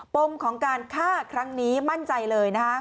มของการฆ่าครั้งนี้มั่นใจเลย